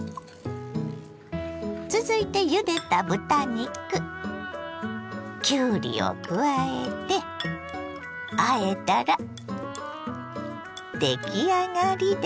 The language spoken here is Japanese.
続いてゆでた豚肉きゅうりを加えてあえたら出来上がりです。